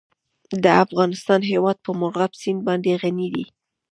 د افغانستان هیواد په مورغاب سیند باندې غني دی.